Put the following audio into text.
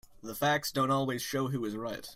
The facts don't always show who is right.